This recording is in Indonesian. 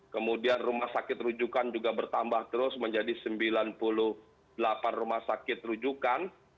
kemudian rumah sakit rujukan juga bertambah terus menjadi sembilan puluh delapan rumah sakit rujukan